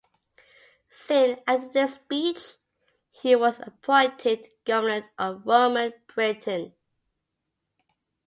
Soon after this speech, he was appointed governor of Roman Britain.